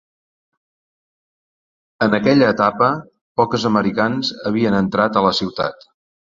En aquella etapa, pocs americans havien entrat a la ciutat.